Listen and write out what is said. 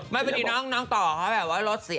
ไม่เป็นที่น้องน้องต่อเขาแบบว่ารถเสีย